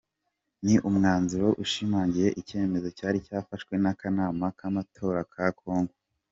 Ni umwanzuro ushimangiye icyemezo cyari cyafashwe n'akanama k'amatora ka Kongo.